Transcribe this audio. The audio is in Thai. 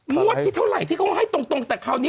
งวดที่เท่าไหร่ที่เขาให้ตรงแต่คราวนี้